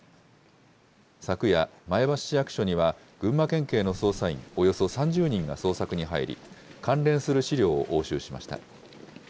昨夜、前橋市役所には群馬県警の捜査員、およそ３０人が捜索に入り、関連する資料を押収しました。